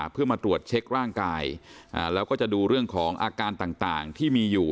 เพื่อมาตรวจเช็คร่างกายแล้วก็จะดูเรื่องของอาการต่างที่มีอยู่